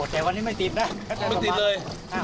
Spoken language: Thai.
แต่วันนี้ไม่ติดนะ